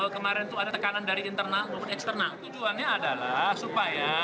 kemarin itu ada tekanan dari internal maupun eksternal tujuannya adalah supaya